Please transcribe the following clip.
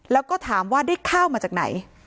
แล้วก็ถามว่าได้ข้าวมาจากไหน